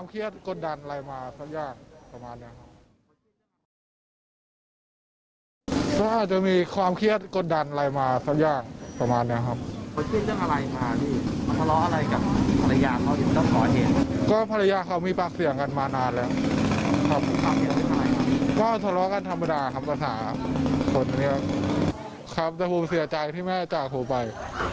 ก็สละกันธรรมดาครับประสาทคนเนี่ยครับแต่ภูมิเสียใจพี่แม่จากถูกไป